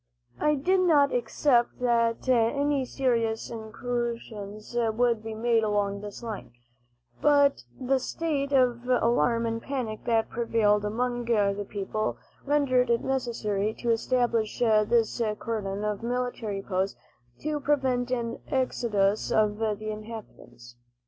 I did not expect that any serious incursions would be made along this line, but the state of alarm and panic that prevailed among the people rendered it necessary to establish this cordon of military posts to prevent an exodus of the inhabitants.